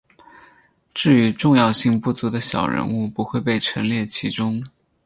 至于重要性不足的小人物不会被陈列其中。